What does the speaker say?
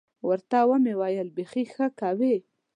ورته ومې ویل بيخي ښه کوې.